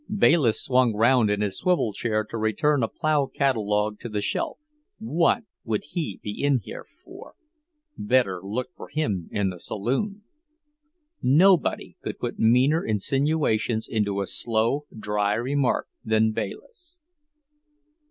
Bayliss swung round in his swivel chair to return a plough catalogue to the shelf. "What would he be in here for? Better look for him in the saloon." Nobody could put meaner insinuations into a slow, dry remark than Bayliss.